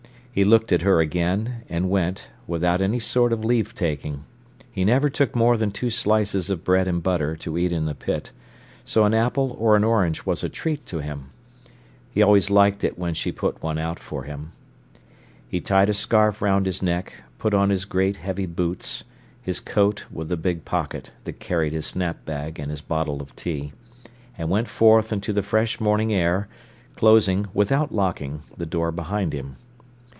He looked at her again, and went, without any sort of leave taking. He never took more than two slices of bread and butter to eat in the pit, so an apple or an orange was a treat to him. He always liked it when she put one out for him. He tied a scarf round his neck, put on his great, heavy boots, his coat, with the big pocket, that carried his snap bag and his bottle of tea, and went forth into the fresh morning air, closing, without locking, the door behind him.